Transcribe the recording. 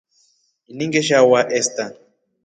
Ini ngeshawa esta.